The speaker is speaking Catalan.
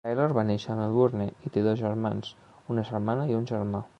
Taylor va néixer a Melbourne i té dos germans, una germana i un germà.